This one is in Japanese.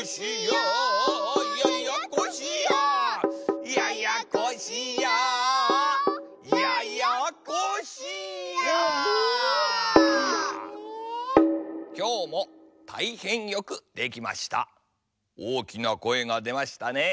おおきなこえがでましたね。